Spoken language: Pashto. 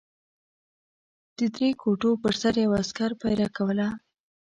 د درې کوټو پر سر یو عسکر پېره کوله.